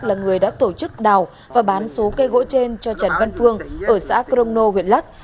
là người đã tổ chức đào và bán số cây gỗ trên cho trần văn phương ở xã crono huyện lắc